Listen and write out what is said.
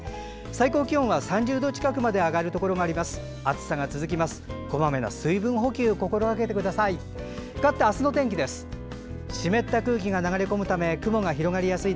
最高気温は３０度近くまで上がるところもあります。